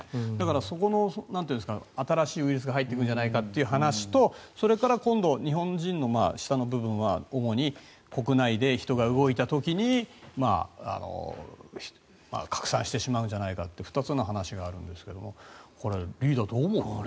そこの新しいウイルスが入ってくるんじゃないかという話とそれから今度日本人の下の部分は主に国内で人が動いた時に拡散してしまうんじゃないかという２つの話があるんですがこれはリーダーどう思いますか？